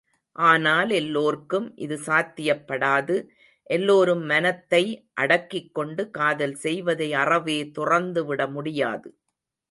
ஆனால் எல்லோர்க்கும் இது சாத்தியப் படாது, எல்லோரும் மனத்தை அடக்கிக்கொண்டு காதல் செய்வதை அறவே துறந்துவிட முடியாது.